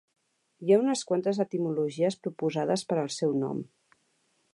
Hi ha unes quantes etimologies proposades per al seu nom.